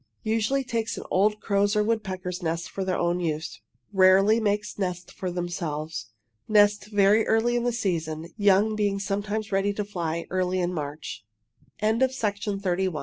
Usually take an old crow's or woodpecker's nest for their own use rarely make nests for themselves. Nest very early in the season, young being sometimes ready to fly early in March. THE BOBOLINK [Illustration: The Bobolink] A S